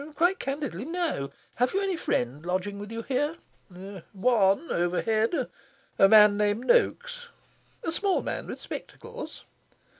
"Quite candidly, no. Have you any friend lodging with you here?" "One, overhead. A man named Noaks." "A small man, with spectacles?"